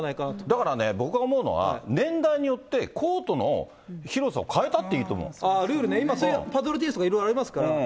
だからね、僕が思うのは、年代によってコートの広さを変えたルールね、今、それ、とかいろいろありますから。